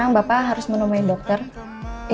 ini sudah dikoneksi